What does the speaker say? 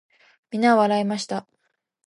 皆は笑いました。